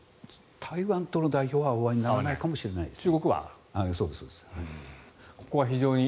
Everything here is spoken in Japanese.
台湾との代表はお会いにならないかもしれないです。